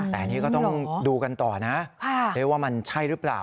แต่นี่ก็ต้องดูกันต่อนะเดี๋ยวว่ามันใช่หรือเปล่า